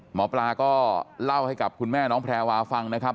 หมอปลาก็เล่าให้กับคุณแม่น้องแพรวาฟังนะครับ